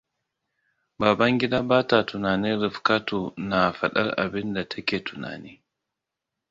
Babangida ba ta tunanin Rifkatu, na fadar abinda ta ke tunani.